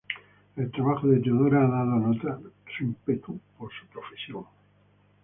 El trabajo de Teodora ha dado a notar su ímpetu por su profesión.